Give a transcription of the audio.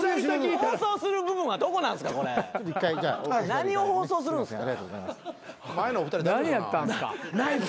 何を放送するんですか？